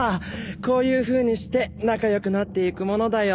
こういうふうにして仲良くなっていくものだよ。